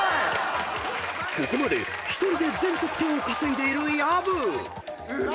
［ここまで１人で全得点を稼いでいる薮］うめえ！